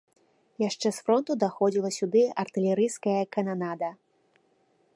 Яшчэ з фронту даходзіла сюды артылерыйская кананада.